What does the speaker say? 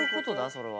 それは。